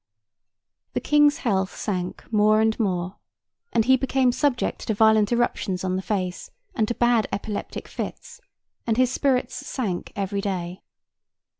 The King's health sank more and more, and he became subject to violent eruptions on the face and to bad epileptic fits, and his spirits sank every day.